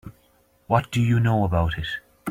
What do you know about it?